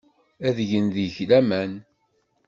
Ad gen deg-k laman.